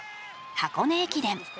「箱根駅伝」。